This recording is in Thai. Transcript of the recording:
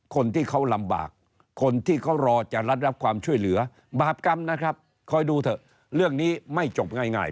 คนที่เขารอจะรับความช่วยเหลือบาปกรรมนะครับคอยดูเถอะ